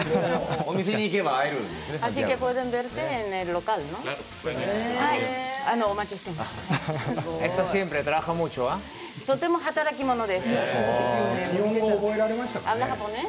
お店に行けば会えるんですね？